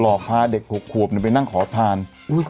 หลอกพาเด็กหกหวบหนึ่งไปนั่งขอทานอุ้ย